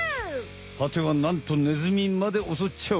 はてはなんとネズミまでおそっちゃう！